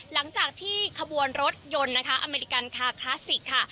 หลังจากที่ขบวนรถยนต์นะคะอเมริกันคาคลาสสิกค่ะ